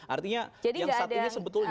artinya yang satunya sebetulnya